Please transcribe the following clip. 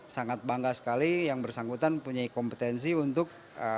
sangat bangga sekali yang bersangkutan punya kompetensi untuk